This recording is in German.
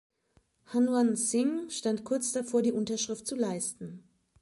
Hanwant Singh stand kurz davor die Unterschrift zu leisten.